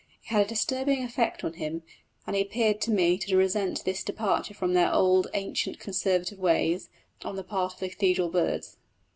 It had a disturbing effect on him, and he appeared to me to resent this departure from their old ancient conservative ways on the part of the cathedral birds.